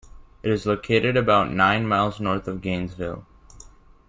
It is located about nine miles north of Gainesville.